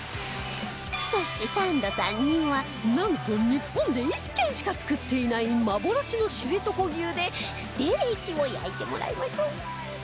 そしてサンドさんにはなんと日本で１軒しか作っていない幻の知床牛でステーキを焼いてもらいましょう